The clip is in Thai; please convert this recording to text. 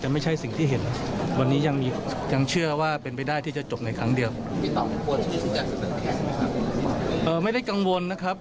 ไม่ได้กังวลนะครับ